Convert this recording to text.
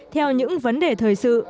theo những vấn đề thời sự